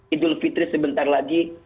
idul fitri sebentar lagi